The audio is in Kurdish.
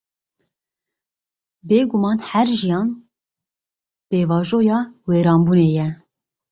Bêguman her jiyan, pêvajoya wêranbûnê ye.